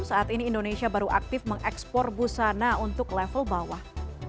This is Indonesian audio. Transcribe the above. saat ini indonesia baru aktif mengekspor busana untuk level bawah